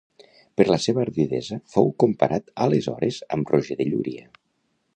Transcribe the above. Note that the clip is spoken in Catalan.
Per la seva ardidesa fou comparat aleshores amb Roger de Llúria.